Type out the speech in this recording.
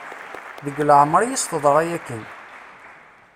Deg leɛmer i as-teḍra akken.